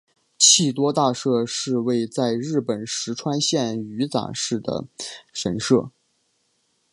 气多大社是位在日本石川县羽咋市的神社。